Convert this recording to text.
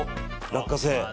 落花生。